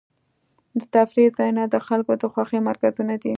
د تفریح ځایونه د خلکو د خوښۍ مرکزونه دي.